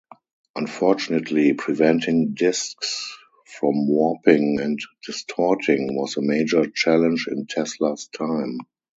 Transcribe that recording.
Unfortunately, preventing disks from warping and distorting was a major challenge in Tesla's time.